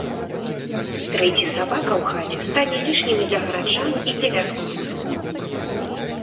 Трэці сабака ў хаце стане лішнім і для гараджан, і для вяскоўцаў.